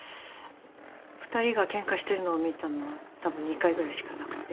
２人がケンカしているのを見たのは多分２回ぐらいしかなくて。